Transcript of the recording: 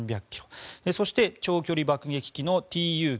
そして長距離爆撃機のＴｕ９５